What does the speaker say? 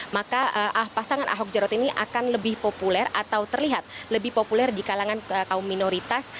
maka pasangan ahok jarot ini akan lebih populer atau terlihat lebih populer di kalangan kaum minoritas